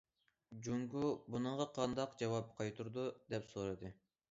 جۇڭگو بۇنىڭغا قانداق جاۋاب قايتۇرىدۇ؟، دەپ سورىدى.